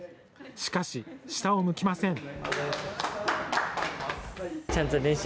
しかし、下を向きません。